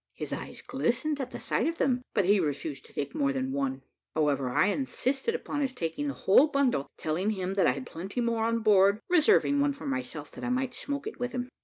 His eyes glistened at the sight of them, but he refused to take more than one however, I insisted upon his taking the whole bundle, telling him that I had plenty more on board, reserving one for myself, that I might smoke it with him.